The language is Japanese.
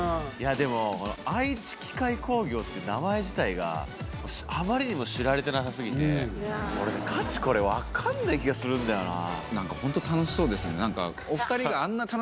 でも、愛知機械工業って名前自体が、あまりにも知られてなさすぎて、俺、価値、これ、分かんない気がするんだよなぁ。